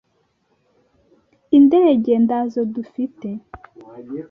'indege ndazo dufite,